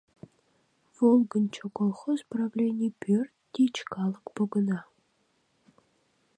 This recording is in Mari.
«Волгынчо» колхоз правленье пӧрт тич калык погына.